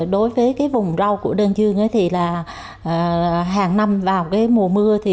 đối với vùng rau của đơn dương hàng năm vào mùa mưa